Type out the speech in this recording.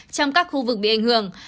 trong các khu vực bị ảnh hưởng